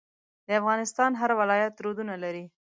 د افغانستان هر ولایت رودونه لري.